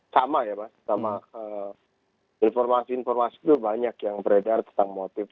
sama ya mas sama informasi informasi itu banyak yang beredar tentang motif